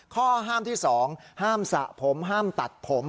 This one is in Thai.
ข้อห้ามที่๒ห้ามสระผมห้ามตัดผม